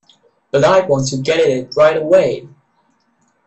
But I want to get at it right away.